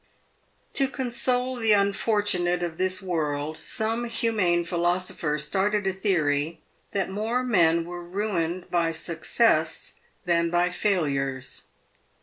To console the unfortunate of this world, some humane philosopher started a theory, that more men were ruined by success than by failures.